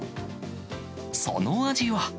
その味は。